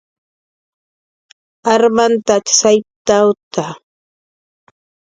"Armantach sayptawt""a"